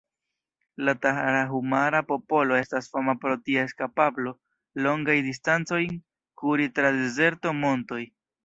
La Tarahumara-popolo estas fama pro ties kapablo, longajn distancojn kuri tra dezerto, montoj.